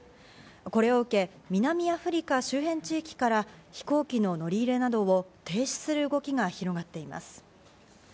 これを受け、南アフリカ周辺地域から飛行機の乗り入れなどを停止する動きが広がっています。